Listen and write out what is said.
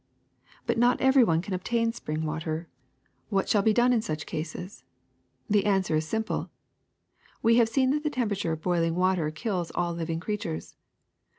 ''But not every one can obtain spring water. WATER 251 What shall be done in such cases? The answer is simple. We have seen that the temperature of boil ing water kills all living creatures.